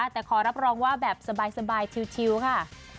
แต่ขอรับรองว่าแบบสบายชิวค่ะ